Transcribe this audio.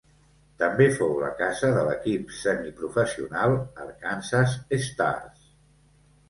També fou la casa de l'equip semiprofessional Arkansas Stars.